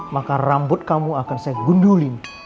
maka rambut kamu akan saya gundulin